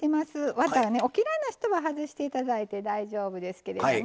ワタ、お嫌いな人は外していただいて大丈夫ですけどね。